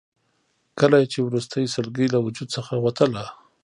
کله یې چې وروستۍ سلګۍ له وجود څخه وتله.